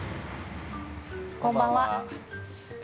こんばんは。